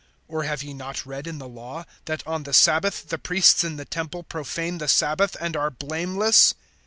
(5)Or have ye not read in the law, that on the sabbath the priests in the temple profane the sabbath, and are blameless?